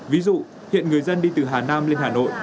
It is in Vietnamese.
ví dụ hiện người dân đi từ hà nam lên hà nội